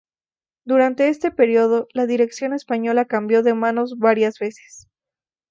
Durante este período, la dirección española cambió de manos varias veces.